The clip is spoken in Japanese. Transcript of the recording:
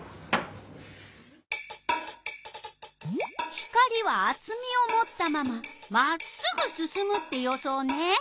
光はあつみをもったまままっすぐすすむって予想ね。